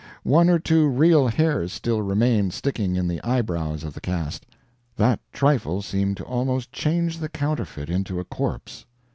One or two real hairs still remained sticking in the eyebrows of the cast. That trifle seemed to almost change the counterfeit into a corpse.